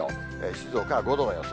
静岡は５度の予想。